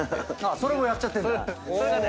それもやっちゃってんだ。